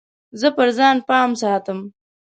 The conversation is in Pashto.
زه پر ځان پام ساتم.